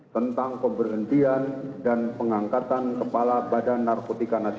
tentang pemberhentian dan pengangkatan kepala bnn